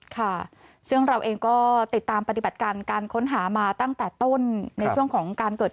ค่ะซึ่งเราเองก็ติดตามปฏิบัติการการค้นหามาตั้งแต่ต้น